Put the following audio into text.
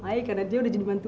ayah karena dia udah jadi bantu